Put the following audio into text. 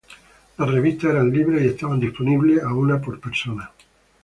Las revistas eran libres y estaban disponibles a una por persona.